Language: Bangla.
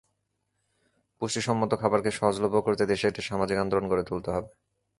পুষ্টিসম্মত খাবারকে সহজলভ্য করতে দেশে একটি সামাজিক আন্দোলন গড়ে তুলতে হবে।